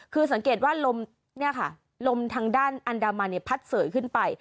คือสังเกตว่าลมเนี่ยค่ะลมทางด้านอันดามันเนี่ยพัดเสยขึ้นไป